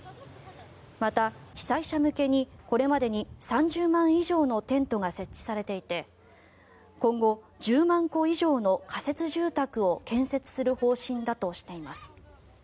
また、被災者向けにこれまでに３０万以上のテントが設置されていて今後、１０万戸以上の仮設住宅を建設する方針だとしています。